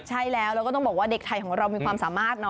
ใช่แล้วแล้วก็ต้องบอกว่าเด็กไทยของเรามีความสามารถ